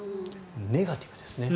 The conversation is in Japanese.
ネガティブですね。